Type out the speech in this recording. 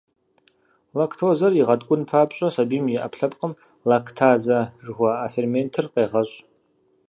Лактозэр игъэткӀун папщӀэ, сабийм и Ӏэпкълъэпкъым лактазэ жыхуаӀэ ферментыр къегъэщӀ.